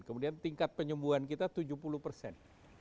kemudian tingkat penyembuhan kita tujuh puluh persen